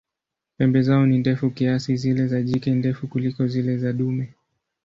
Pembe zao ni ndefu kiasi, zile za jike ndefu kuliko zile za dume.